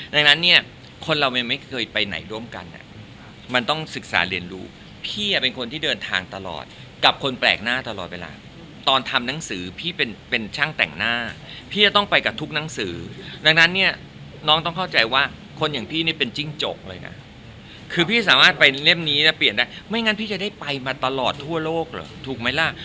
ดังนั้นเนี่ยคนเรามันไม่เคยไปไหนร่วมกันอ่ะมันต้องศึกษาเรียนรู้พี่เป็นคนที่เดินทางตลอดกับคนแปลกหน้าตลอดเวลาตอนทำหนังสือพี่เป็นเป็นช่างแต่งหน้าพี่จะต้องไปกับทุกหนังสือดังนั้นเนี่ยน้องต้องเข้าใจว่าคนอย่างพี่นี่เป็นจิ้งจกเลยนะคือพี่สามารถไปเล่มนี้นะเปลี่ยนได้ไม่งั้นพี่จะได้ไปมาตลอดทั่วโลกเหรอถูกไหมล่ะ